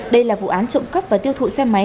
đây là vụ án trộm cắp và tiêu thụ xe máy